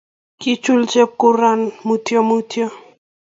Kichuul chepkurak Mutyo mutyo